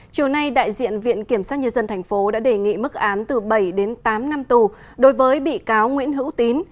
chiều nay đại diện viện kiểm sát nhân dân tp đã đề nghị mức án từ bảy đến tám năm tù đối với bị cáo nguyễn hữu tín